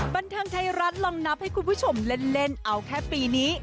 บันเทิงไทยรัฐลองนับให้คุณผู้ชมเล่นเอาแค่ปีนี้